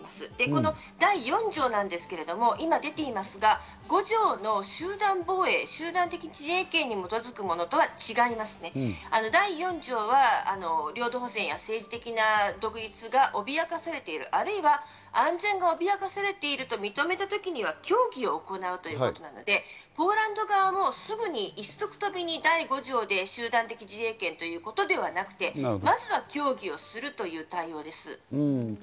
この第４条なんですけれども、今出ていますが、第５条の集団防衛、集団的自衛権に基づくものとは違いまして、第４条は領土保全や政治的な独立が脅かされている、或いは安全が脅かされていると認めたときには協議を行うということなので、ポーランド側もすぐに一足飛びに第５条で集団的自衛権ということではなくて、まずは協議をするという対応です。